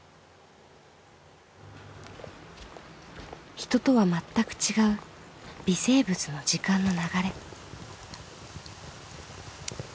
人とはまったく違う微生物の時間の流れ。